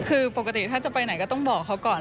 คือปกติถ้าจะไปไหนก็ต้องบอกเขาก่อน